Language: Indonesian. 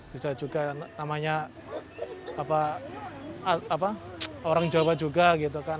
bisa juga namanya orang jawa juga gitu kan